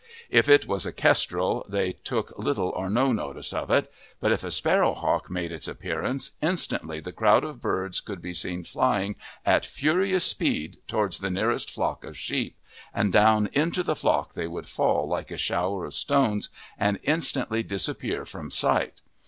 If it was a kestrel they took little or no notice of it, but if a sparrowhawk made its appearance, instantly the crowd of birds could be seen flying at furious speed towards the nearest flock of sheep, and down into the flock they would fall like a shower of stones and instantly disappear from sight.